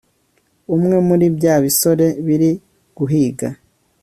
umwe muri bya bisore biri guhiga